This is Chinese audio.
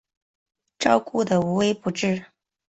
照顾得无微不至